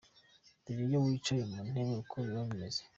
Dore iyo yicaye mu ntebe uko biba bimeze.